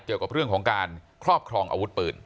เกี่ยวกับเรื่องของการครอบครองอาวุธปืน